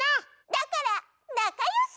だからなかよし！